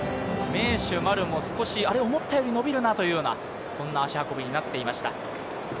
名手・丸も少し思ったより伸びるなというような、そんな足運びになっていました。